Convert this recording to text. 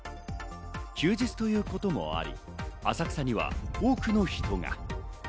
休日ということもあり、浅草には多くの人が。